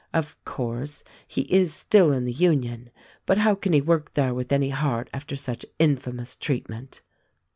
Of course, he is still in the Union; hut how can he work there with any heart after such infamous treatment."